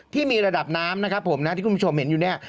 ที่มีระดับน้ำที่คุณผู้ชมเห็นอยู่นี่